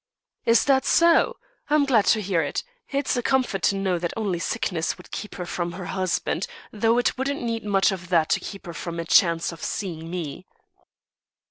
"Is that so? I'm glad to hear it. It's a comfort to know that only sickness would keep her from her husband; though it wouldn't need much of that to keep her from a chance of seeing me."